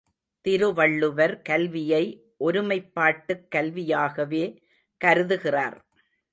திருவள்ளுவர் கல்வியை ஒருமைப்பாட்டுக் கல்வியாகவே கருதுகிறார்.